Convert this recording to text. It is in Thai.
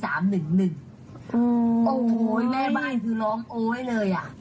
โอ้โหแม่บ้านคือร้องโอ๊ยเลยอ่ะ